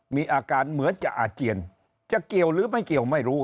มีอาการเหมือนจะอาเจียนจะเกี่ยวหรือไม่เกี่ยวไม่รู้